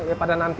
ya pada nanti